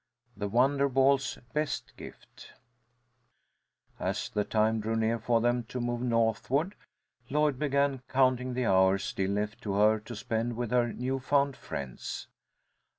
THE WONDER BALL'S BEST GIFT As the time drew near for them to move northward, Lloyd began counting the hours still left to her to spend with her new found friends.